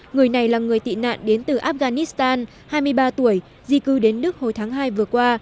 người này là người tị nạn đến từ afghanistan hai mươi ba tuổi di cư đến đức hồi tháng hai vừa qua